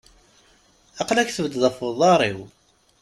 Aql-ik tebeddeḍ af uḍaṛ-iw!